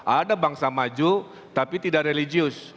ada bangsa maju tapi tidak religius